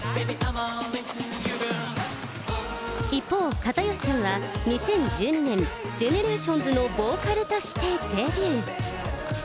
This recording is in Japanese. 一方、片寄さんは２０１２年、ＧＥＮＥＲＡＴＩＯＮＳのボーカルとしてデビュー。